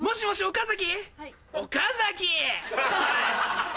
岡崎。